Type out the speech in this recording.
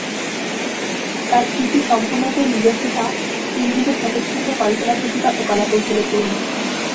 তাঁর সৃষ্টি সম্পূর্ণতই নিজস্বতাচিহ্নিত, স্বতঃস্ফূর্ত কল্পনাপ্রতিভা ও কলাকৌশলে পূর্ণ।